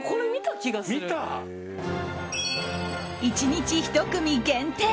１日１組限定